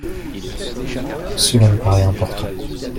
Cela me paraît important.